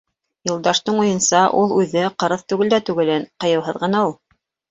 Юлдаштың уйынса ул үҙе ҡырыҫ түгел дә түгелен, ҡыйыуһыҙ ғына ул.